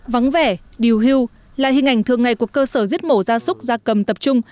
vắng vẻ điều hưu là hình ảnh thường ngày của cơ sở giết mổ ra súc ra cầm tập trung